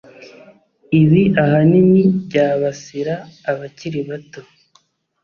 ibi ahanini byabasira abakiri bato